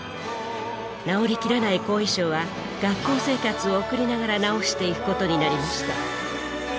治りきらない後遺症は学校生活を送りながら治していくことになりました。